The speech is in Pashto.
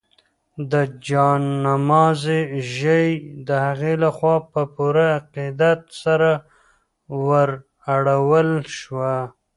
د جاینماز ژۍ د هغې لخوا په پوره عقیدت سره ورواړول شوه.